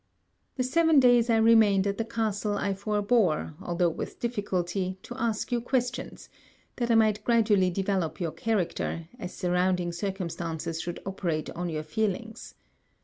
The seven days I remained at the castle I forbore, although with difficulty, to ask you questions, that I might gradually develope your character, as surrounding circumstances should operate on your feelings.